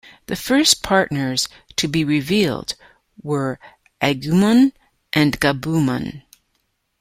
The first partners to be revealed were Agumon and Gabumon.